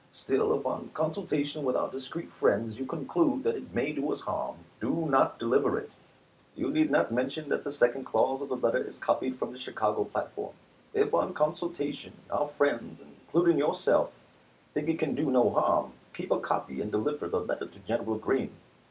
Still, if on consultation with our dis creet friends you conclude that it may do us harm, do not deliver it. You need not mention that the second clause of the letter is, copied from the Chicago Platform. Lincoln to If, on consultation, our friends, including yourself, think Tramtrau, it can do no harm, keep a copy and deliver the letter to ks. General Green.